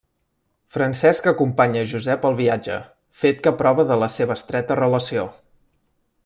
Francesc acompanya Josep al viatge fet que prova de la seva estreta relació.